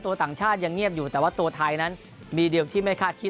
ต่างชาติยังเงียบอยู่แต่ว่าตัวไทยนั้นมีเดียวที่ไม่คาดคิด